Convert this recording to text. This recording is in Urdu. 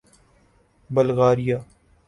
بلغاریہ